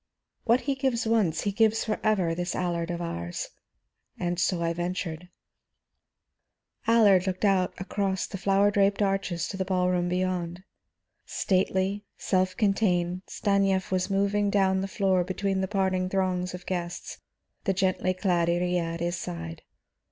'What he gives once, he gives for ever, this Allard of ours.' And so I ventured." Allard looked out across the flower draped arches to the ball room beyond. Stately, self contained, Stanief was moving down the floor between the parting throngs of guests, the gently glad Iría at his side.